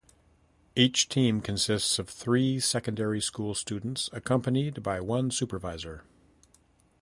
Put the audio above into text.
Each team consisted of three secondary school students accompanied by one supervisor.